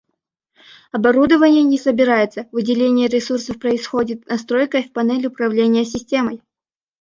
Оборудование не собирается, выделение ресурсов происходит настройкой в панели управления системой